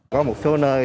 có một số nơi